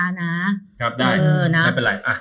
ได้ไม่เป็นไร